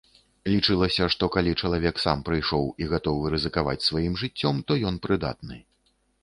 Лічылася, што калі чалавек сам прыйшоў і гатовы рызыкаваць сваім жыццём, то ён прыдатны.